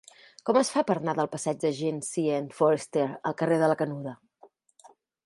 Com es fa per anar del passeig de Jean C. N. Forestier al carrer de la Canuda?